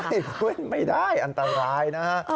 ไม่ได้ไม่ได้อันตรายนะฮะ